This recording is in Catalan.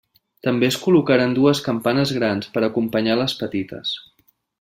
També es col·locaren dues campanes grans per acompanyar les petites.